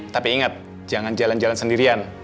tapi ingat jangan jalan jalan sendirian